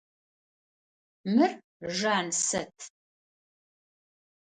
Мыр Жансэт.